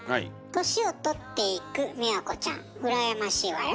年を取っていくみわこちゃん羨ましいわよ。